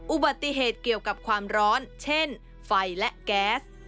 อุบัติเหตุเกี่ยวกับความร้อนเช่นไฟและแก๊ส